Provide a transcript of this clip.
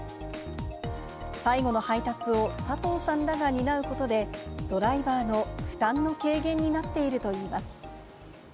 最後の配達を佐藤さんらが担うことで、ドライバーの負担の軽減になっているといいます。